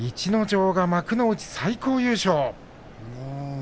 城が幕内最高優勝。